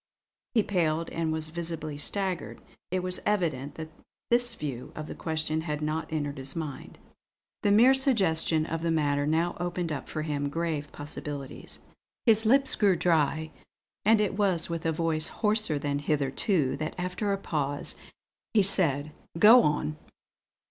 He paled and was visibly staggered; it was evident that this view of the question had not entered his mind. The mere suggestion of the matter now opened up for him grave possibilities. His lips grew dry, and it was with a voice hoarser than hitherto that, after a pause, he said: "Go on!"